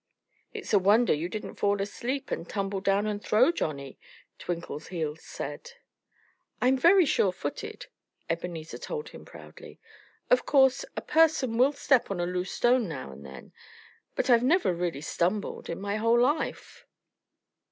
"It's a wonder you didn't fall asleep and tumble down and throw Johnnie," Twinkleheels said. "I'm very sure footed," Ebenezer told him proudly. "Of course, a person will step on a loose stone now and then. But I've never really stumbled in my whole life."